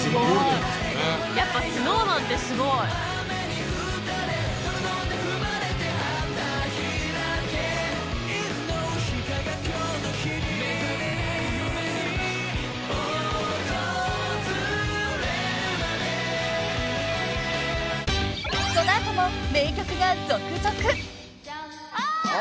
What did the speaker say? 「やっぱＳｎｏｗＭａｎってすごい」［この後も名曲が続々］